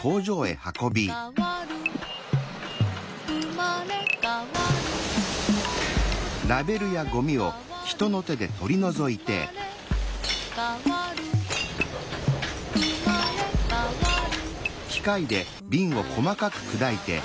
「うまれかわるうまれかわる」